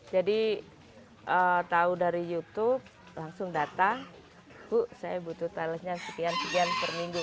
jadi tahu dari youtube langsung datang bu saya butuh talasnya sekian sekian per minggu